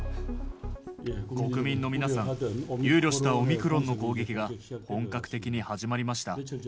国民の皆さん、憂慮したオミクロンの攻撃が本格的に始まりました。